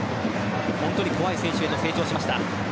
本当に怖い選手へと成長しました。